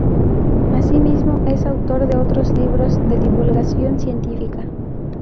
Así mismo, es autor de otros libros de divulgación científica.